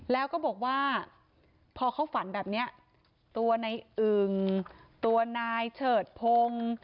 แล้วก็บอกว่าพอเขาฝันแบบนี้ตัวในอึงตัวนายเฉิดพงศ์